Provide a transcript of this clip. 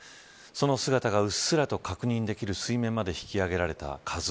その姿が薄らと確認できる水面まで引き揚げられたＫＡＺＵ１。